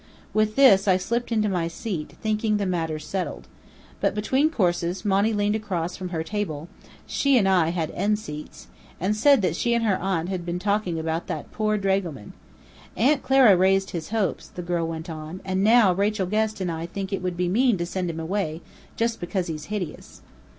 With this, I slipped into my seat, thinking the matter settled. But between courses, Monny leaned across from her table (she and I had end seats) and said that she and her aunt had been talking about that poor dragoman. "Aunt Clara raised his hopes," the girl went on, "and now Rachel Guest and I think it would be mean to send him away, just because he's hideous."